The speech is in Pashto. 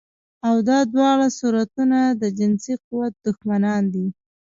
او دا دواړه صورتونه د جنسي قوت دښمنان دي